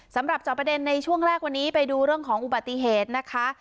จอบประเด็นในช่วงแรกวันนี้ไปดูเรื่องของอุบัติเหตุนะคะ